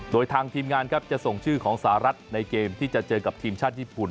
โดยทางทีมงานครับจะส่งชื่อของสหรัฐในเกมที่จะเจอกับทีมชาติญี่ปุ่น